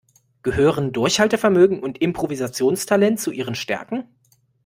Gehören Durchhaltevermögen und Improvisationstalent zu Ihren Stärken?